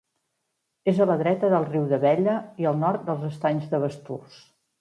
És a la dreta del riu d'Abella i al nord dels Estanys de Basturs.